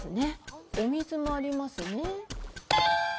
お水もありますね。